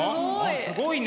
すごいね。